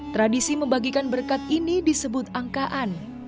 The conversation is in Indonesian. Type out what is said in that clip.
tradisi membagikan berkat ini disebut angkaan